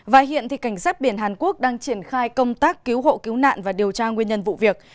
và hiện cảnh sát biển hàn quốc đang triển khai công tác cứu hộ cứu nạn và điều tra nguyên nhân vụ việc